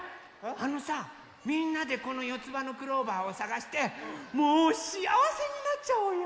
あのさみんなでこのよつばのクローバーをさがしてもうしあわせになっちゃおうよ！